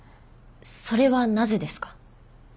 それはなぜですか？